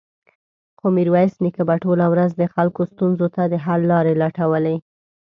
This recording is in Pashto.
خو ميرويس نيکه به ټوله ورځ د خلکو ستونزو ته د حل لارې لټولې.